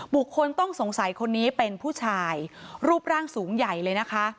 บุคคลต้องสงสัยคนนี้เป็นผู้ชายรูปร่างสูงใหญ่เลยนะคะ